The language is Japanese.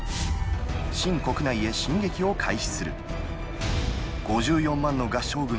秦国内へ進撃を開始する。